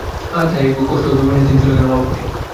তাই এক বুক কষ্ট ও অভিমান নিয়ে তিনি চলে গেলেন অলক্ষ্যে।